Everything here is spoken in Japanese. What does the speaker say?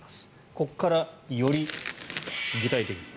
ここからより具体的に。